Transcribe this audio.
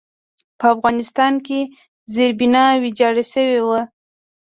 په افغانستان کې زېربنا ویجاړه شوې وه.